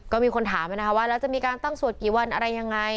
ก็มีคนถามว่านะคะว่าแล้วจะมีการตั้งสวดกี่วันอะไรยังไง